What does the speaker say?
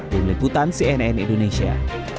dari leputan cnn indonesia